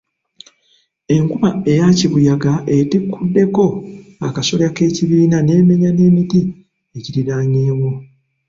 Enkuba eya kibuyaga etikkuddeko akasolya k'ekibiina n'emenya n'emiti egiriraanyeewo